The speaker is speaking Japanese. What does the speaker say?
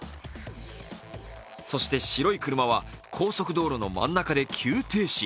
そして白い車は高速道路の真ん中で急停止。